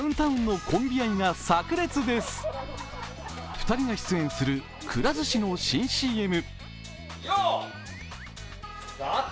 ２人が出演するくら寿司の新ＣＭ。